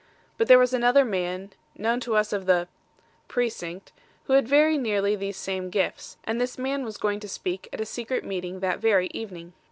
But there was another man, known to us of the Precinct, who had very nearly these same gifts, and this man was going to speak at a secret meeting that very evening.